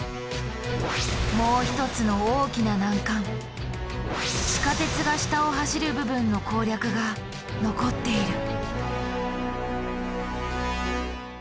もう一つの大きな難関地下鉄が下を走る部分の攻略が残っている。